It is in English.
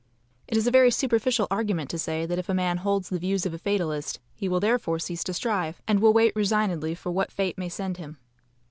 It is a very superficial argument to say that if a man holds the views of a fatalist he will therefore cease to strive, and will wait resignedly for what fate may send him.